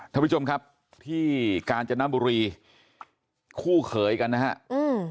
ท่านผู้ชมครับที่กาญจนบุรีคู่เขยกันนะฮะอืม